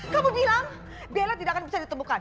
kamu bilang bella tidak akan bisa ditemukan